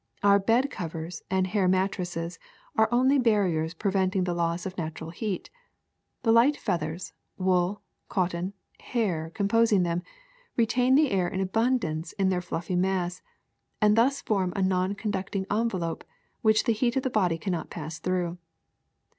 Our bed covers and hair mattresses are only barriers preventing the loss of natural heat. The light feathers, wool, cotton, hair composing them retain the air in abundance in their fluffy mass and thus form a non conducting envelop which the heat of the body cannot pass through.